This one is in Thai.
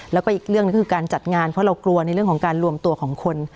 แล้วก็อีกเรื่องหนึ่งคือการจัดงานเพราะเรากลัวในเรื่องของการรวมตัวของคน